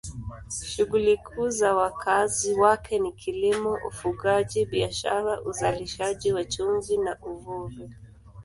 Shughuli kuu za wakazi wake ni kilimo, ufugaji, biashara, uzalishaji wa chumvi na uvuvi.